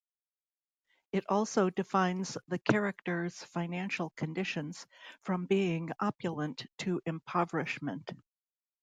It also defines the characters financial conditions from being opulent to impoverishment.